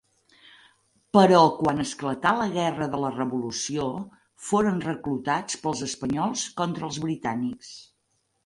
Però quan esclatà la Guerra de la Revolució foren reclutats pels espanyols contra els britànics.